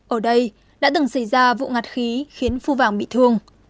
ở đây đã từng xảy ra vụ ngặt khí khiến phu vàng bị thương